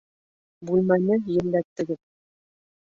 Бүлмәне елләтегеҙ